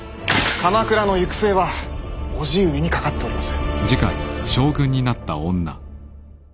鎌倉の行く末は叔父上にかかっております。